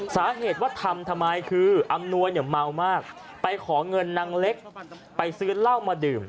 สาเหตุว่าทำทำไมคืออำนวยเนี่ยเมามากไปขอเงินนางเล็กไปซื้อเหล้ามาดื่ม